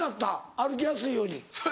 歩きやすいように。